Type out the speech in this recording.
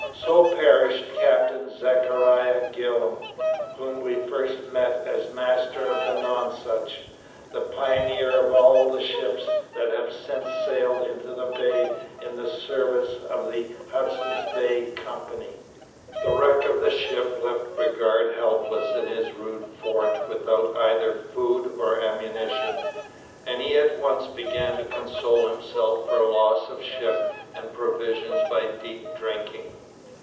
So perished Captain Zachariah Gillam, whom we first met as master of the Nonsuch, the pioneer of all the ships that have since sailed into the Bay in the service of the Hudson's Bay Company. [Illustration: ENTRANCE TO NELSON and HAYES RIVERS Map by Bartholomew] The wreck of the ship left Bridgar helpless in his rude fort without either food or ammunition, and he at once began to console himself for loss of ship and provisions by deep drinking.